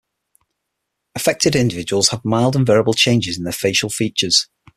Affected individuals have mild and variable changes in their facial features.